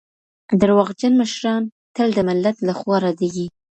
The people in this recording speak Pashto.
درواغجن مشران تل د ملت له خوا ردېږي.